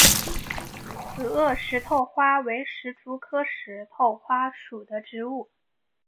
紫萼石头花为石竹科石头花属的植物。